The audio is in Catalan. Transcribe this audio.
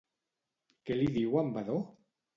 Què li diu en Vadó?